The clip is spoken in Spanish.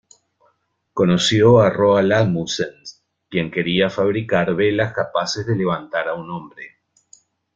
Conoció a Roald Amundsen, quien quería fabricar velas capaces de levantar a un hombre.